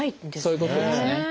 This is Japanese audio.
そういうことですね。